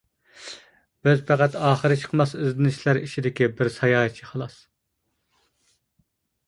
بىز پەقەت ئاخىرى چىقماس ئىزدىنىشلەر ئىچىدىكى بىر ساياھەتچى خالاس.